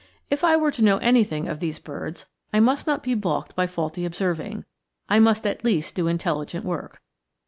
If I were to know anything of these birds, I must not be balked by faulty observing; I must at least do intelligent work.